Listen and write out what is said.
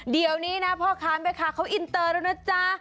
เดี๋ยวนี้นะพ่อค้าแม่ค้าเขาอินเตอร์แล้วนะจ๊ะ